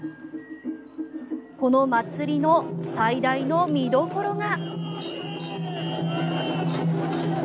この祭りの最大の見どころが。